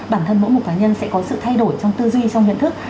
bản thân mỗi một cá nhân sẽ có sự thay đổi trong tư duy trong nhận thức